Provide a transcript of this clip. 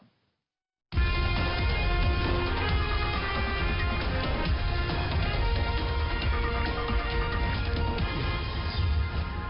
โปรดติดตามตอนต่อไป